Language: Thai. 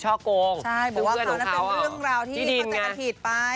ใช่บอกว่าค่อนั้นเป็นเรื่องราวที่เขาจะกันถีดไป